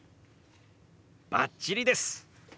バッチリです！